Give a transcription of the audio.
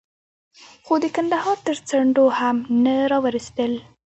خو د کندهار تر څنډو هم نه را ورسېدل.